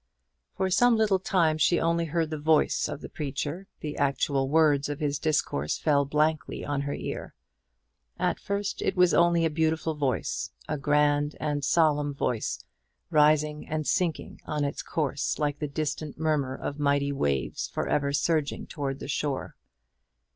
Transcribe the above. For some little time she only heard the voice of the preacher the actual words of his discourse fell blankly on her ear. At first it was only a beautiful voice, a grand and solemn voice, rising and sinking on its course like the distant murmur of mighty waves for ever surging towards the shore.